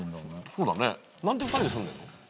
そうだね何で２人で住んでるの？